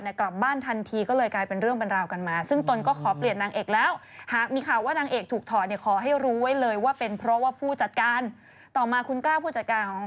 นั่นแต่สีพี่เพราะเราจะคิดนะนายเป็นฝรั่ง